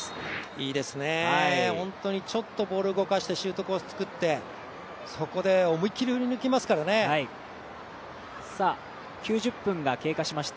いいですね、本当にちょっとボールを動かしてシュートコース作って、そこで９０分が経過しました。